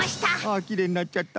あきれいになっちゃった。